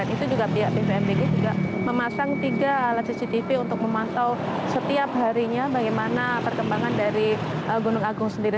itu juga pihak bvmbg juga memasang tiga alat cctv untuk memantau setiap harinya bagaimana perkembangan dari gunung agung sendiri